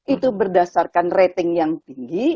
itu berdasarkan rating yang tinggi